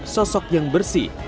sosok yang bersih